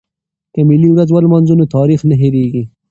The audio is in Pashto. که ملي ورځ ولمانځو نو تاریخ نه هیریږي.